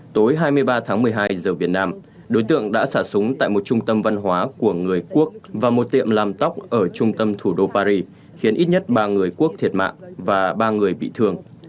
tối hai mươi ba tháng một mươi hai giờ việt nam đối tượng đã xả súng tại một trung tâm văn hóa của người quốc vào một tiệm làm tóc ở trung tâm thủ đô paris khiến ít nhất ba người quốc thiệt mạng và ba người bị thương